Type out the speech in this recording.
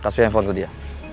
kasih handphone ke dia